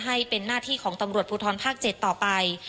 ให้เป็นหน้าที่ของตำรวจภูทรภาค๗ต่อไป